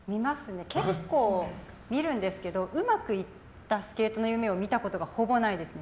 結構見るんですけどうまくいったスケートの夢を見たことが、ほぼないですね。